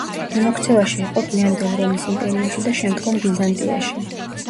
მიმოქცევაში იყო გვიანდელ რომის იმპერიაში და შემდგომ ბიზანტიაში.